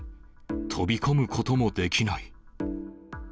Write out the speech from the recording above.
飛び込むこともできない。